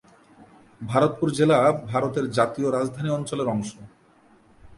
ভরতপুর জেলা ভারতের জাতীয় রাজধানী অঞ্চলের অংশ।